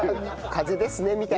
「風邪ですね」みたいな。